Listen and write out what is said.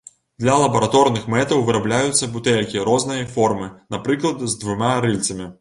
Для лабараторных мэтаў вырабляюцца бутэлькі рознай формы, напрыклад, з двума рыльцамі.